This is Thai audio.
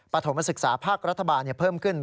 ฐมศึกษาภาครัฐบาลเพิ่มขึ้น